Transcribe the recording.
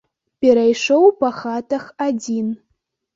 Перайшоў па хатах адзін.